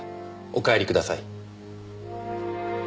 お帰りください。